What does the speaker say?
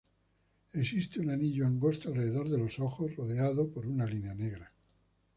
Existe un anillo angosto alrededor de los ojos, rodeado por una línea negra.